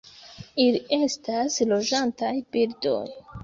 Ili estas loĝantaj birdoj.